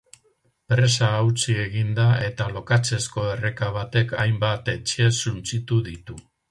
Presa hautsi egin da eta lokatzezko erreka batek hainbat etxe suntsitu ditu.